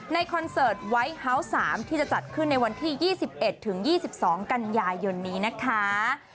คอนเสิร์ตไวท์เฮาส์๓ที่จะจัดขึ้นในวันที่๒๑๒๒กันยายนนี้นะคะ